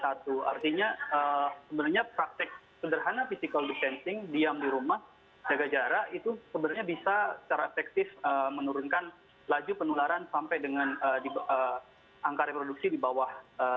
artinya sebenarnya praktek sederhana physical distancing diam di rumah jaga jarak itu sebenarnya bisa secara efektif menurunkan laju penularan sampai dengan di angka reproduksi di bawah